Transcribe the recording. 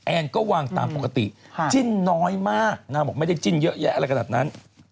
แอนก็วางตามปกติจิ้นน้อยมากนางบอกไม่ได้จิ้นเยอะแยะอะไรขนาดนั้น